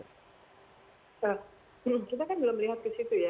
kita kan belum melihat ke situ ya